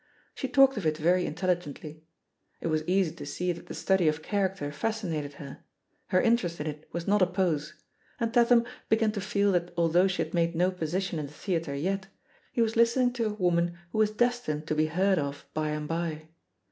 She talked of it very intelligently. It was easy to see that the study of character fascinated her — her interest in it was not a pose — ^and Tatham began to feel that although she had made no position in the theatre yet, he was listening to a woman who was des tined to be heard of by and by.